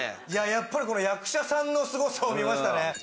いややっぱりこれ役者さんのすごさを見ましたね。